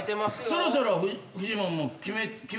そろそろフジモンも決め。